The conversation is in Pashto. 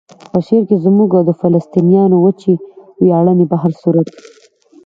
په شعر کې زموږ او د فلسطینیانو وچې ویاړنې په هر صورت.